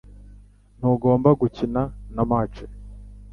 Ntugomba gukina na match